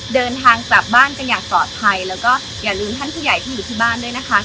เดินทางกลับบ้านกันอย่างปลอดภัยแล้วก็อย่าลืมท่านผู้ใหญ่ที่อยู่ที่บ้านด้วยนะคะ